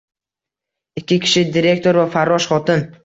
Ikki kishi, direktor va farrosh xotin.